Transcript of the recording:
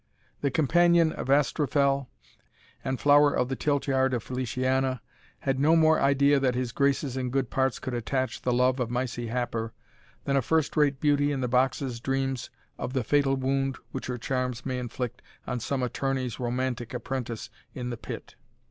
The companion of Astrophel, and flower of the tilt yard of Feliciana, had no more idea that his graces and good parts could attach the love of Mysie Happer, than a first rate beauty in the boxes dreams of the fatal wound which her charms may inflict on some attorney's romantic apprentice in the pit.